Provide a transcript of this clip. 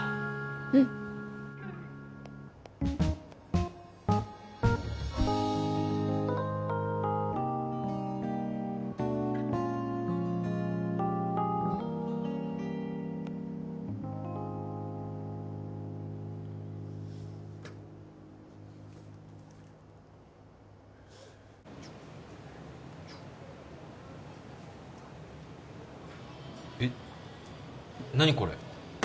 うんえっ何これ？